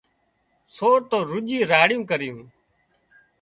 سور تو رُڄيون راڙيون ڪري